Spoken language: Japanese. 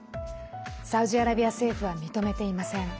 サウジアラビア政府は認めていません。